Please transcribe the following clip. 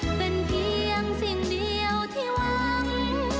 เป็นเพียงสิ่งเดียวที่หวัง